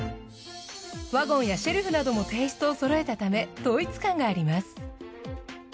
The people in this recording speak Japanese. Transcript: ワゴンやシェルフなどもテイストをそろえたため統一感があります。